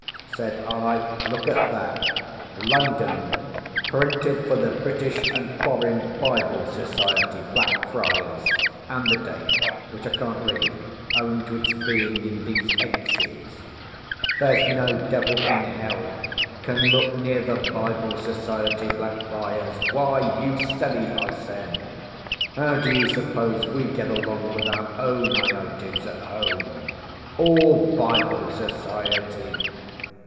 said I. "Look at that! 'London: Printed for the British and Foreign Bible Society, Blackfriars,' and the date, which I can't read, owing to its being in these X's. There's no devil in hell can look near the Bible Society, Blackfriars. Why, you silly!" I said, "how do you suppose we get along with our own aitus at home? All Bible Society!"